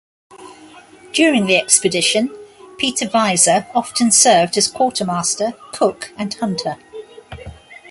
During the expedition Peter Weiser often served as quartermaster, cook, and hunter.